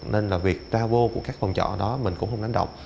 nên là việc ra vô của các phòng trọ đó mình cũng không đánh động